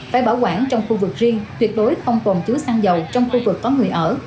phải bảo quản trong khu vực riêng tuyệt đối không tồn chứa xăng dầu trong khu vực có người ở